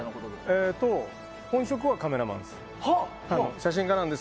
本職はカメラマンです。